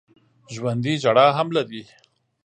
ژوندي ژړا هم لري